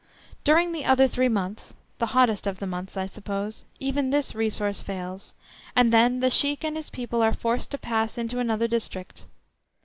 During the other three months (the hottest of the months, I suppose) even this resource fails, and then the Sheik and his people are forced to pass into another district.